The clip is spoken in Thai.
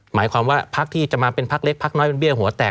หมายความว่าพักที่จะมาเป็นพักเล็กพักน้อยเป็นเบี้ยหัวแตก